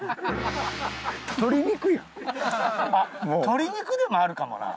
鶏肉でもあるかもな。